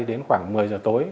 đến khoảng một mươi giờ tối